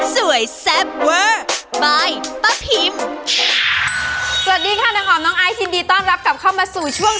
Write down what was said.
สวัสดีค่ะน้องหอมน้องไอซ์ยินดีต้อนรับกลับเข้ามาสู่ช่วง